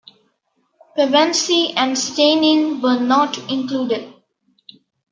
Pevensey and Steyning were not included.